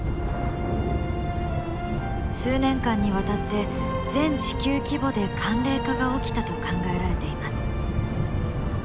数年間にわたって全地球規模で寒冷化が起きたと考えられています。